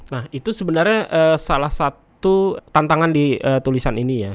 nah itu sebenarnya salah satu tantangan di tulisan ini ya